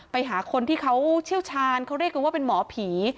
ไปหาคนที่เขาเชี่ยวชาญเขาเรียกกันว่าเป็นหมอผี